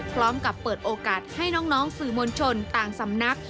พร้อมกับเปิดโอกาสให้น้องสื่อมวลชนต่างสำนัก